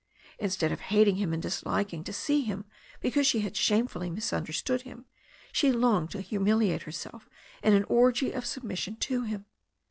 Instead of hating him and disliking to see him because she had shamefully misunderstood him, she longed to humiliate herself in an orgy of submission to him.